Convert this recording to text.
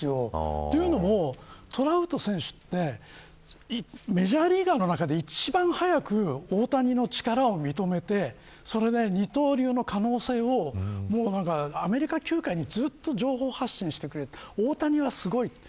というのもトラウト選手ってメジャーリーガーの中で一番早く大谷の力を認めて二刀流の可能性をアメリカ球界にずっと情報発信してくれていてオオタニはすごい。